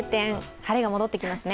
晴れが戻ってきますね。